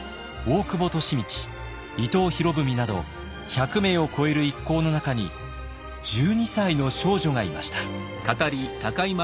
利通伊藤博文など１００名を超える一行の中に１２歳の少女がいました。